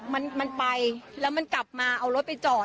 มันมันไปแล้วมันกลับมาเอารถไปจอด